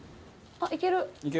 あっいける！